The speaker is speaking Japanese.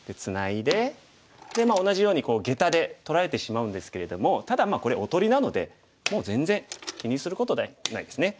で同じようにゲタで取られてしまうんですけれどもただこれおとりなのでもう全然気にすることないですね。